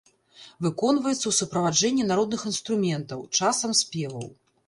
Выконваецца ў суправаджэнні народных інструментаў, часам спеваў.